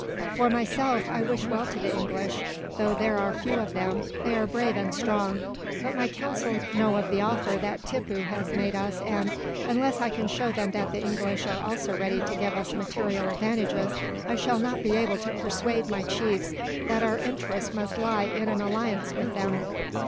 "For myself, I wish well to the English. Though there are few of them, they are brave and strong; but my council know of the offer that Tippoo has made us and, unless I can show them that the English are also ready to give us material advantages, I shall not be able to persuade my chiefs that our interest must lie in an alliance with them."